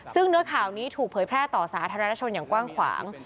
ซึ่งเนื้อข่าวนี้ถูกเผยแพร่ต่อสาธารณชนอย่างกว้างขวาง